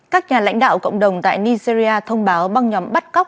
các nhà lãnh đạo cộng đồng tại nigeria thông báo băng nhóm bắt cóc